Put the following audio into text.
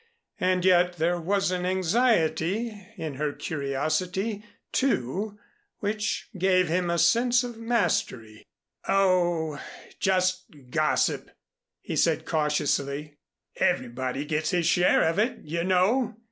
And yet there was an anxiety in her curiosity, too, which gave him a sense of mastery. "Oh, just gossip," he said cautiously. "Everybody gets his share of it, you know."